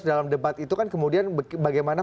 dalam debat itu kan kemudian bagaimana